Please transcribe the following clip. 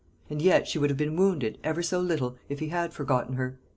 And yet she would have been wounded, ever so little, if he had forgotten her.